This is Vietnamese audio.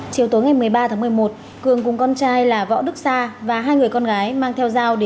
chiều tối ngày một mươi ba tháng một mươi một cường cùng con trai là võ đức sa và hai người con gái